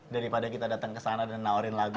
daripada kita dateng kesana dan nawarin lagu